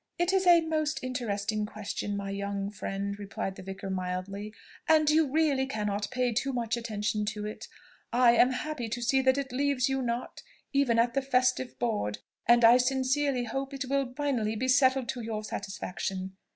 "It is a most interesting question, my young friend," replied the vicar mildly; "and you really cannot pay too much attention to it. I am happy to see that it leaves you not, even at the festive board; and I sincerely hope it will finally be settled to your satisfaction.